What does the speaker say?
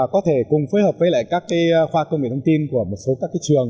có thể cùng phối hợp với các khoa công nghệ thông tin của một số các trường